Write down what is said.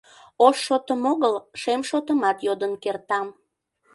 Ош шотым огыл, шем шотымат йодын кертам.